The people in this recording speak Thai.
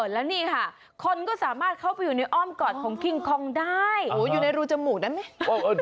แล้วนี่ค่ะคนก็สามารถเข้าไปอยู่ในอ้อมกอดของคิงคองได้อยู่ในรูจมูกได้ไหม